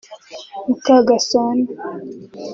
Mukagasana